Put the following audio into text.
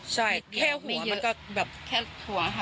ใช่แค่หัวมันก็แบถ้วง